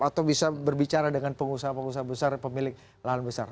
atau bisa berbicara dengan pengusaha pengusaha besar pemilik lahan besar